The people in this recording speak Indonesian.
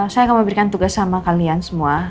saya akan memberikan tugas sama kalian semua